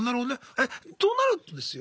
えとなるとですよ